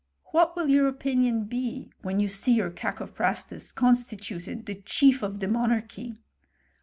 " What will your opinion be when you see youf Cacophrastus constituted the chief of the monarchy